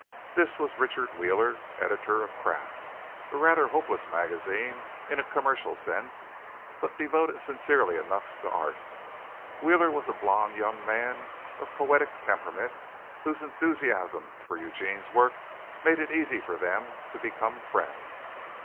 This was Richard Wheeler, editor of Craft, a rather hopeless magazine in a commercial sense, but devoted sincerely enough to art. Wheeler was a blond young man of poetic temperament, whose enthusiasm for Eugene's work made it easy for them to become friends.